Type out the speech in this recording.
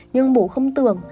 nhưng bổ không tưởng